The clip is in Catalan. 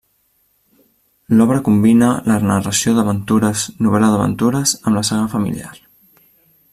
L'obra combina la narració d'aventures Novel·la d'aventures amb la saga familiar.